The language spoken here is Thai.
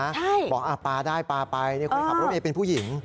ใช่บอกปลาได้ปลาไปคนขับรถเมย์เป็นผู้หญิง